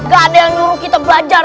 gak ada yang nyuruh kita belajar